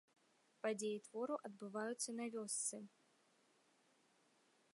Падзеі твору адбываюцца на вёсцы.